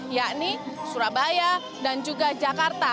yakni surabaya dan juga jakarta